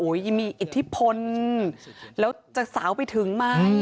ยังมีอิทธิพลแล้วจะสาวไปถึงไหม